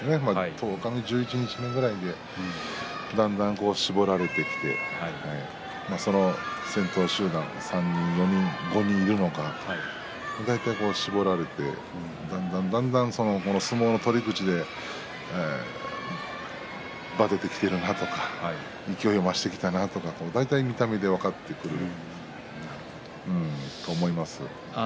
十日目、十一日目以来でだんだん絞られてきて先頭集団３人、４人５人、いるのか大胆に絞られてきて、だんだん相撲の取り口でばてているなとか、勢いを増してきたなとか見た目で分かってくると思います。